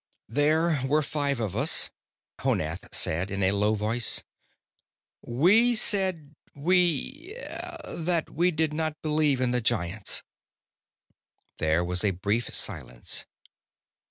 "There were five of us," Honath said in a low voice. "We said we that we did not believe in the Giants." There was a brief silence.